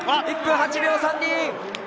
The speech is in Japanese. １分８秒３２！